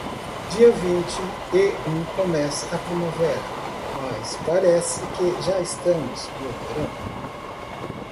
Dia vinte e um começa a primavera, mas, parece que já estamos no verão.